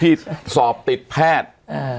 ที่สอบติดแพทย์